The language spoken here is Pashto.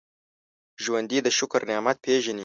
ژوندي د شکر نعمت پېژني